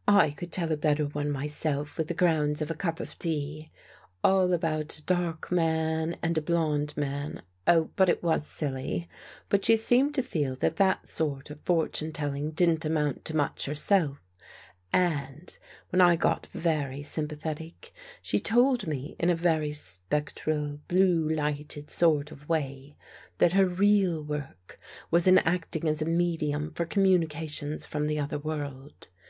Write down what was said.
" I could tell a better one myself with the grounds of a cup of tea. All about a dark man and a blonde man — oh, but it was silly I But she seemed to feel that that sort of fortune telling didn't amount to much herself and, when I got very sympathetic, she told me, in a very spectral, blue lighted sort of way, that her real work was in acting as a medium for communications from the other world.